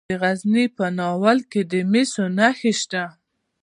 د غزني په ناور کې د مسو نښې شته.